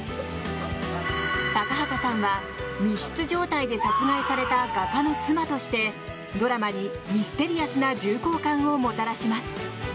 高畑さんは、密室状態で殺害された画家の妻としてドラマにミステリアスな重厚感をもたらします。